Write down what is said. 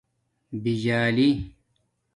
بجالی